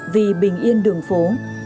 vì bình yên đường phố